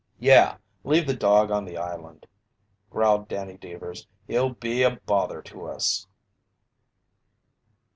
"Yeah, leave the dog on the island," growled Danny Deevers. "He'll be a bother to us."